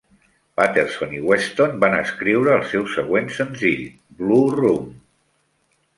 Paterson i Weston van escriure el seu següent senzill, "Blue Room".